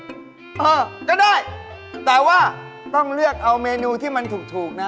เออก็ได้แต่ว่าต้องเลือกเอาเมนูที่มันถูกนะ